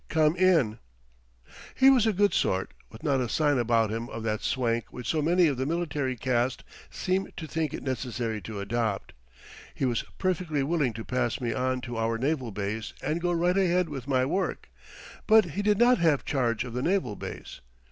COME IN He was a good sort, with not a sign about him of that swank which so many of the military caste seem to think it necessary to adopt. He was perfectly willing to pass me on to our naval base and go right ahead with my work; but he did not have charge of the naval base.